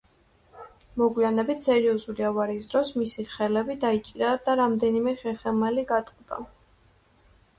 მოგვიანებით, სერიოზული ავარიის დროს მისი ხელები დაიჭრა და რამდენიმე ხერხემალი გატყდა.